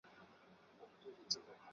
但是最后仍然失败。